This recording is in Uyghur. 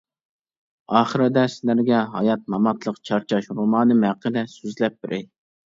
ئاخىرىدا سىلەرگە «ھايات-ماماتلىق چارچاش» رومانىم ھەققىدە سۆزلەپ بېرەي.